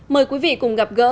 mời quý vị cùng gặp gỡ